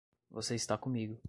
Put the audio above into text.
Você está comigo.